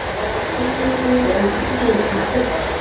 cũng như em dấu những điều quá thực...